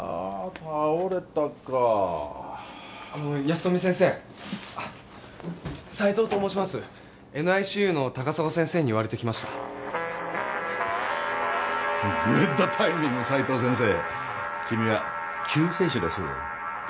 倒れたかあの安富先生斉藤と申しますＮＩＣＵの高砂先生に言われて来ましたグッドタイミング斉藤先生君は救世主です